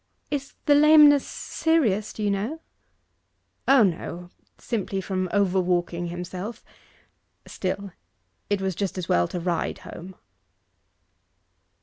'Is the lameness serious, do you know?' 'O no; simply from over walking himself. Still, it was just as well to ride home.